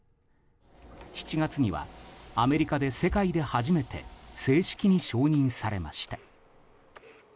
７月にはアメリカで世界で初めて正式に承認されました。